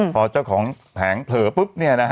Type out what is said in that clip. พอเจ้าของแผงเผลอปุ๊บ